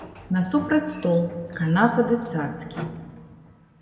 Насупраць стол, канапа ды цацкі.